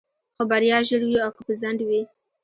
خو بريا ژر وي او که په ځنډ وي.